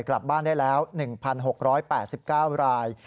กลับบ้านได้แล้ว๑๖๘๙ราย